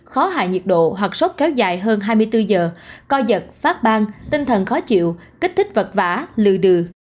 khó hạ nhiệt độ hoặc sốt kéo dài hơn hai mươi bốn giờ coi giật phát ban tinh thần khó chịu kích thích vật vả lừa đừa